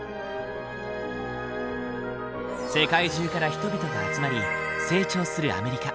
世界中から人々が集まり成長するアメリカ。